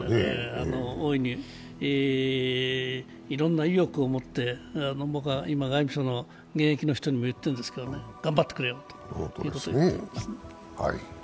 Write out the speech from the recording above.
大いにいろんな意欲を持って、僕は今、外務省の現役の人にも言ってるんですけどね、頑張ってくれよと。